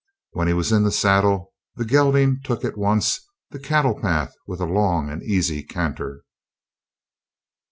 When he was in the saddle, the gelding took at once the cattle path with a long and easy canter.